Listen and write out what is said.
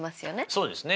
そうですね。